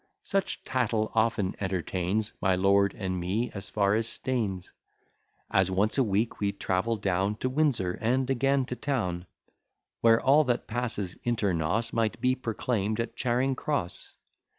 Such tattle often entertains My lord and me as far as Staines, As once a week we travel down To Windsor, and again to town; Where all that passes inter nos Might be proclaim'd at Charing cross.